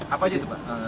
apa gitu pak